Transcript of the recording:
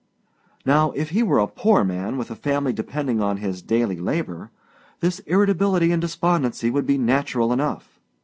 Now, if he were a poor man, with a family depending on his daily labor, this irritability and despondency would be natural enough.